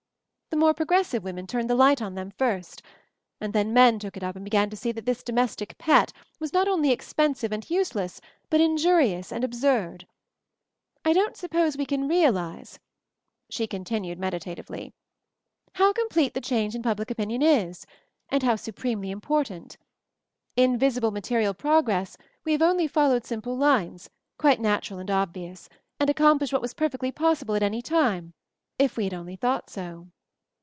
The more progressive women turned the light on them first, and then men took it up and began to see that this domes tic pet was not only expensive and useless but injurious and absurd. I don't suppose we can realize," she continued meditatively, 130 MOVING THE MOUNTAIN "how complete the change in public opinion is — and how supremely important. In vis ible material progress we have only followed simple lines, quite natural and obvious, and accomplished what was perfectly possible at any time — if we had only thought so."